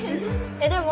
えっでも。